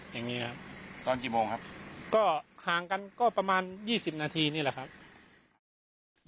เกี่ยวสามครบก็หางกันก็ประมาณ๒๐นาทีนี่แหละครับ